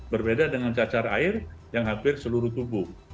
berbeda dengan cacar air yang hampir seluruh tubuh